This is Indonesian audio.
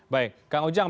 baik kak ujang